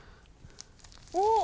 おっ！